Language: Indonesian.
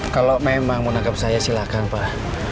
kalau memang mau nangkap saya silakan pak